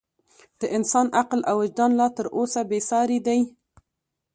د انسان عقل او وجدان لا تر اوسه بې ساري دی.